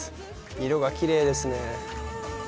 色がきれいですね